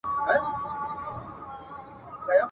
کلونه کیږي چي مي پل د یار لیدلی نه دی ..